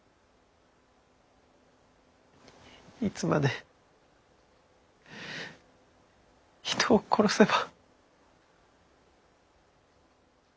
いつまで人を殺せば。